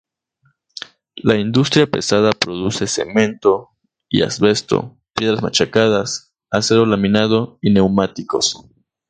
La industria pesada produce cemento y asbesto, piedras machacadas, acero laminado, y neumáticos.